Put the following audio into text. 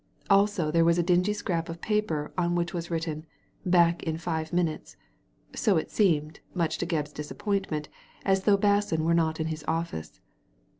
Also there was a dingy scrap of paper, on which was written, " Back in five minutes "; so it seemed, much to Gebb's disappointment, as though Basson were not in his office.